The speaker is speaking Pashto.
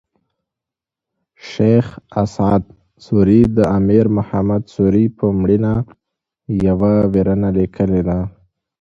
شېخ اسعد سوري د امیر محمد سوري پر مړینه یوه ویرنه لیکلې ده.